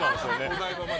お台場まで。